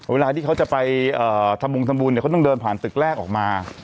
เวลาที่เขาจะไปทะมุงทะมุนเขาต้องเดินผ่านตึกแรกออกมา